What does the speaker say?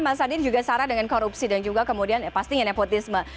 mas adin juga sarah dengan korupsi dan juga kemudian pastinya nepotisme